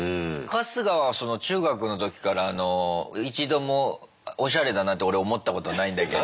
春日は中学の時からあの一度もおしゃれだなんて俺思ったことないんだけど。